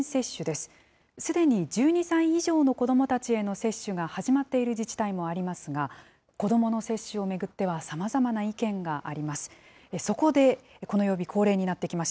すでに１２歳以上の子どもたちへの接種が始まっている自治体もありますが、子どもの接種を巡っては、さまざまな意見があります。